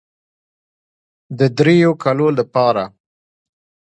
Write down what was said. د دريو کالو دپاره